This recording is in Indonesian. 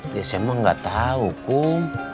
ya saya mah gak tau kum